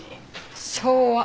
昭和。